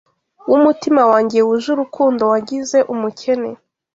Wumutima wanjye wuje urukundo, wangize umukene